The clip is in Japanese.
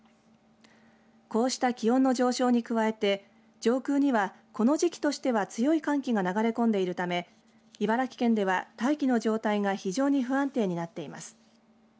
こうした気温の上昇に加えて上空には、この時期としては強い寒気が流れ込んでいるため茨城県では大気の状態が非常に不安定になっています。